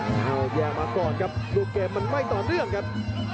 อ้าวแยกมาก่อนครับดูเกมมันไม่ต่อเนื่องครับ